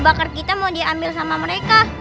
bakar kita mau diambil sama mereka